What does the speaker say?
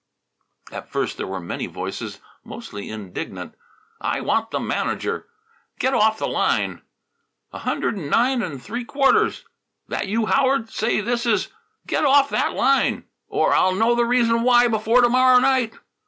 At first there were many voices, mostly indignant: "I want the manager!" "Get off the line!" "A hundred and nine and three quarters!" "That you, Howard? Say, this is " "Get off that line!" "Or I'll know the reason why before to morrow night!"